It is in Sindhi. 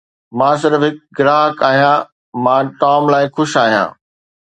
مان صرف هڪ گراهڪ آهيان مان ٽام لاء خوش آهيان